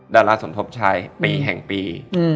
ดาราสมทบชัยปีแห่งปี